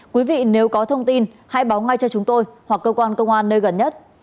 quý vị nếu có thông tin hãy báo ngay cho chúng tôi hoặc cơ quan công an nơi gần nhất